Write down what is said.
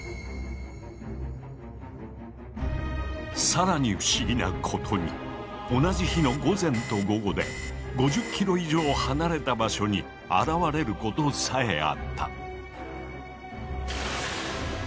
更に不思議なことに同じ日の午前と午後で５０ｋｍ以上離れた場所に現れることさえあった。